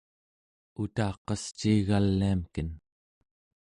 utaqasciigaliamken